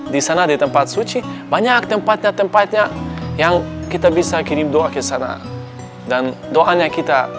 di sana di tempat suci banyak tempatnya tempatnya yang kita bisa kirim doa ke sana dan doanya kita